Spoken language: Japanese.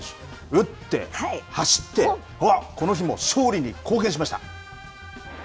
打って、走って、この日も勝利に貢献しました。